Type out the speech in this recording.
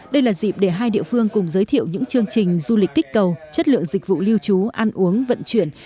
đây là dịp để hai địa phương cùng giới thiệu những chương trình du lịch kích cầu chất lượng dịch vụ lưu trú ăn uống vận chuyển